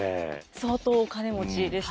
相当お金持ちでした。